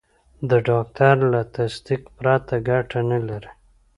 د ډاکټر له تصدیق پرته ګټه نه لري.